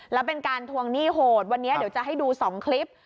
แล้วเป็นการทวงหนี้โหดวันนี้เดี๋ยวจะให้ดู๒คลิป